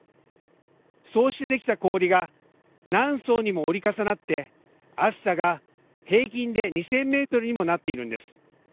そうしてできた氷が何層にも折り重なって厚さが平均で２０００メートルにもなっているんです。